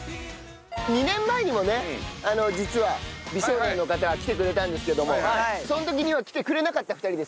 ２年前にもね実は美少年の方が来てくれたんですけどもその時には来てくれなかった２人ですね。